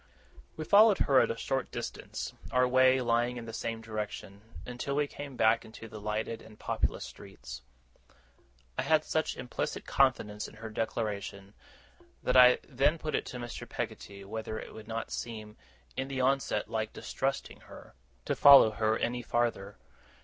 We followed her at a short distance, our way lying in the same direction, until we came back into the lighted and populous streets. I had such implicit confidence in her declaration, that I then put it to Mr. Peggotty, whether it would not seem, in the onset, like distrusting her, to follow her any farther.